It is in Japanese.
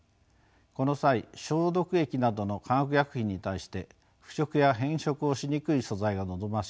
この際消毒液などの化学薬品に対して腐食や変色をしにくい素材が望ましいです。